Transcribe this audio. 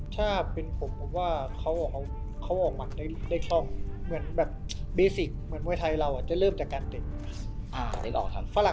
ถ้าเป็นผมผมจะบอกว่าเขาออกแสดงได้โครงแบบว่าารังเมื่อไทยเราเนี่ยจะเริ่มจากการเตะ